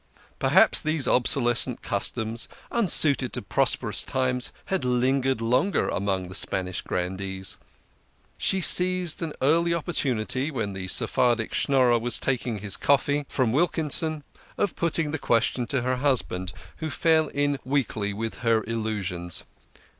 Perhaps these obsolescent customs, unsuited to prosperous times, had lingered longer among the Spanish grandees. She seized an early opportunity, when the Sephardic Schnorrer was taking his coffee from Wilkinson, of putting the question to her husband, who fell in weakly with her illusions.